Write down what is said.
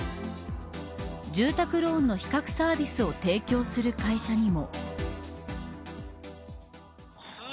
住宅ローンの比較サービスを提供する会社にも。